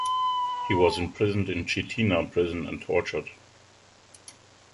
He was imprisoned in Chitina prison and tortured.